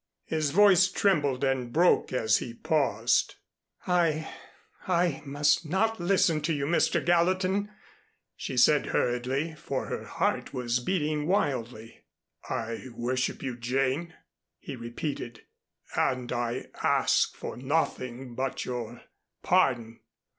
His voice trembled and broke as he paused. "I I must not listen to you, Mr. Gallatin," she said hurriedly, for her heart was beating wildly. "I worship you, Jane," he repeated, "and I ask for nothing but your pardon."